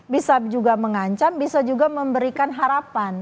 bisa juga mengancam bisa juga memberikan harapan